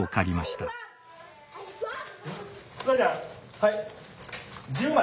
はい。